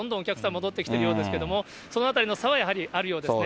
戻ってきてるようですけれども、そのあたりの差はやはりあるようですね。